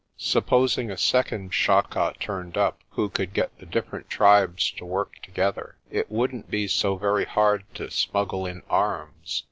Supposing a second Chaka turned up, who could get the different tribes to work together. It wouldn't be so very hard to smuggle in arms.